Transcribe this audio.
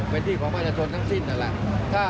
เป็นที่ของประชาชนทั้งสิ้นนั่นแหละ